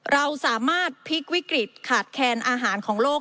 เราสามารถพลิกวิกฤตขาดแคนอาหารของโลก